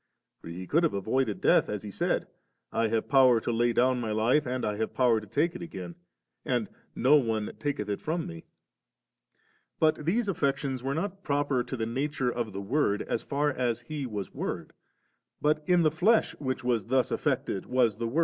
for He could have avoided death, as He said, * I have power to lay down My hfe, and I have power to take it again ;' and ' No one taketh it from Me»* 55. But these affections were not proper to the nature of the Word, as far as He was Word ; but in the flesh which was thus affected was the • licyoif, I fl6 ttpmtdwL • Ivw ««!